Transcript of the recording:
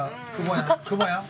久保やん？